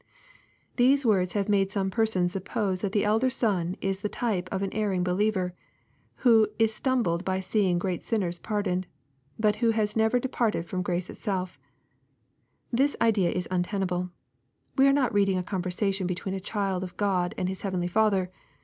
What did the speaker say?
] These words have made some persons suppose that the elder son is the type of an erring behever, who is stumbled by seeing great sinners pardoned, but who has never departed from grace himself. Thus idea is untenable. We are not reading a conversation between a child of God and his heavenly Father.